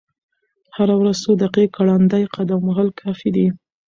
هره ورځ څو دقیقې ګړندی قدم وهل کافي دي.